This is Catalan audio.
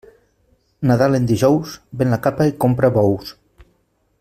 Nadal en dijous, ven la capa i compra bous.